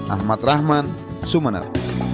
ahmad rahman sumener